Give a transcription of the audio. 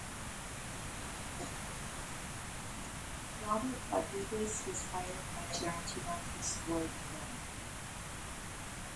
Robert Rodriguez was hired by Tarantino to score the film.